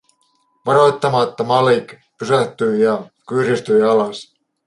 Varoittamatta Malik pysähtyi ja kyyristyi alas.